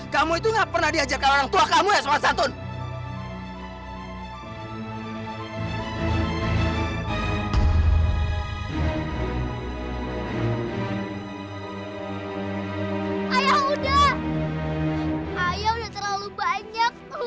kamu itu gak pernah diajarkan orang tua kamu ya soekarno santun